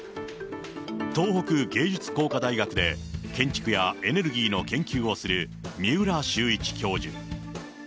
東北芸術工科大学で建築やエネルギーの研究をする三浦秀一教授。